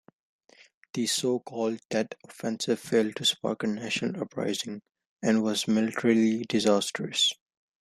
The so-called Tet Offensive failed to spark a national uprising, and was militarily disastrous.